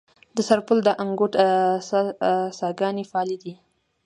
د سرپل د انګوت څاګانې فعالې دي؟